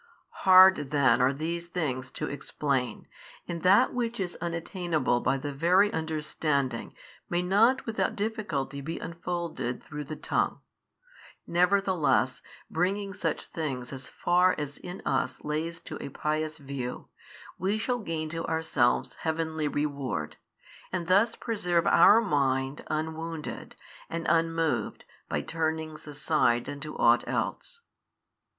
Hard then are these things to explain, and that which is unattainable by the very understanding may not without difficulty be unfolded through the tongue: nevertheless bringing such things as far as in us lays to a pious view, we shall gain to ourselves heavenly reward, and thus preserve our mind unwounded and unmoved by turnings aside unto ought else.